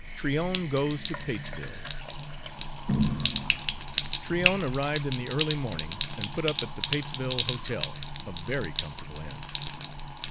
XII TRYON GOES TO PATESVILLE Tryon arrived in the early morning and put up at the Patesville Hotel, a very comfortable inn.